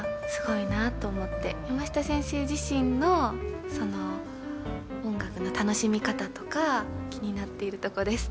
山下先生自身のその音楽の楽しみ方とか気になっているとこです。